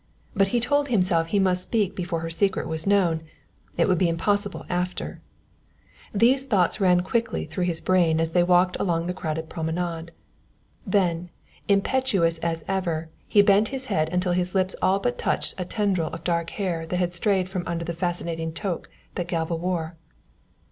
But he told himself he must speak before her secret was known, it would be impossible after. These thoughts ran quickly through his brain as they walked along the crowded promenade. Then, impetuous as ever, he bent his head until his lips all but touched a tendril of dark hair that had strayed from under the fascinating toque that Galva wore.